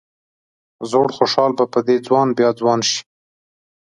زوړ خوشال به په دې ځوان بیا ځوان شي.